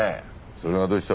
それがどうした？